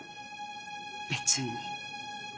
別に。